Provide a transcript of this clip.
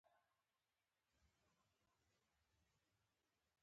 آیا د پښتنو په کلتور کې د ملي سرود احترام نه کیږي؟